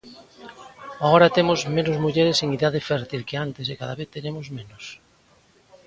Agora temos menos mulleres en idade fértil que antes e cada vez teremos menos.